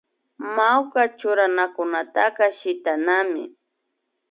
Mawka churanakunataka shitanami